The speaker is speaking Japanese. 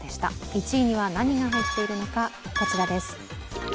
１位には何が入っているのか、こちらです。